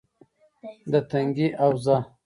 - د تنگي حوزه: